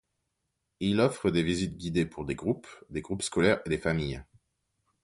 Il offre des visites guidées pour des groupes, des groupes scolaires et des familles.